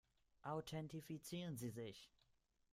Authentifizieren Sie sich!